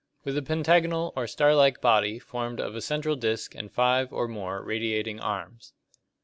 With a pentagonal or star like body formed of a central disc and five (or more) radiating arms.